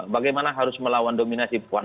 bagaimana harus melawan dominasi puan